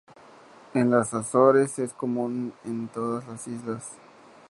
En las Azores, es común en todas las islas.